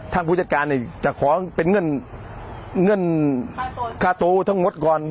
ทางผู้จัดการเนี้ยจะขอเป็นเงื่อนเงื่อนค่าโตทั้งหมดก่อน